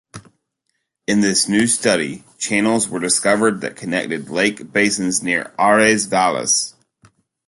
In this new study, channels were discovered that connected lake basins near Ares Vallis.